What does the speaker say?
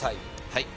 はい。